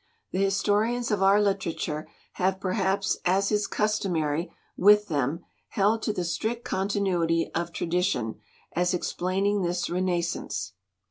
The historians of our literature have, perhaps, as is customary with them, held to the strict continuity of tradition as explaining this renascence.